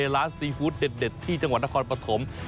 ร้านซีฟู้ดเด็ดที่จังหวัดนครปฐม